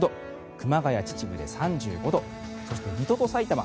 熊谷、秩父で３５度そして、水戸とさいたま